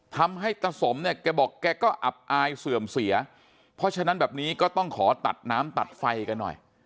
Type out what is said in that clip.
ทำให้ตะสมเนี่ยแกบอกแกก็อับอายเสื่อมเสียเพราะฉะนั้นแบบนี้ก็ต้องขอตัดน้ำตัดไฟกันหน่อย